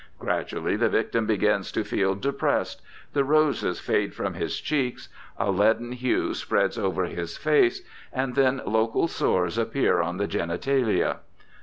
Gradually the victim begins to feel depressed, the roses fade from his cheeks, a leaden hue spreads over his face, and then local sores appear on the genitalia.